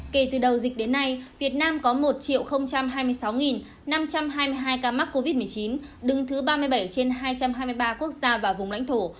kể từ đầu dịch đến nay việt nam có một hai mươi sáu năm trăm hai mươi hai ca mắc covid một mươi chín đứng thứ ba mươi bảy trên hai trăm hai mươi ba quốc gia và vùng lãnh thổ